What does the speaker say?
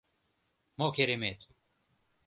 «Мо керемет!..